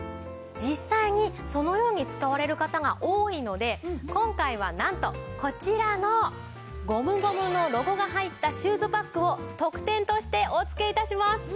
実際にそのように使われる方が多いので今回はなんとこちらのゴムゴムのロゴが入ったシューズバッグを特典としてお付け致します。